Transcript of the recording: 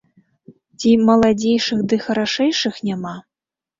Ці маладзейшых ды харашэйшых няма?